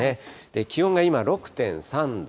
気温が今、６．３度。